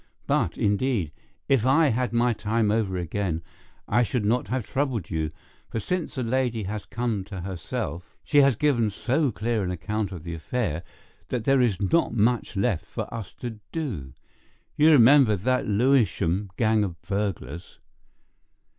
But, indeed, if I had my time over again, I should not have troubled you, for since the lady has come to herself, she has given so clear an account of the affair that there is not much left for us to do. You remember that Lewisham gang of burglars?"